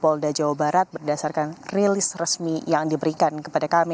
polda jawa barat berdasarkan rilis resmi yang diberikan kepada kami